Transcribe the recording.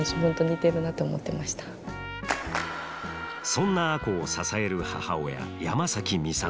そんな亜子を支える母親山崎美里。